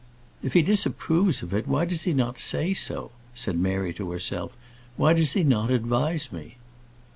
"If he disapproves of it, why does he not say so?" said Mary to herself. "Why does he not advise me?"